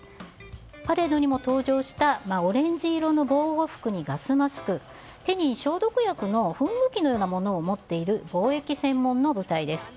パレードにも登場したオレンジ色の防護服にガスマスク手に消毒薬の噴霧器などを持っている防疫専門の部隊です。